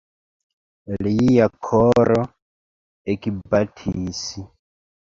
Lia koro ekbatis.